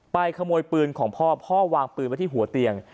ขโมยปืนของพ่อพ่อวางปืนไว้ที่หัวเตียง